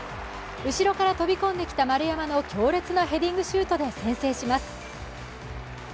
後ろから飛び込んできた丸山の強烈なヘディングシュートで先制します。